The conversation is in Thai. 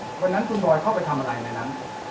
วันนั้นคุณบอยเข้าไปทำอะไรในนั้น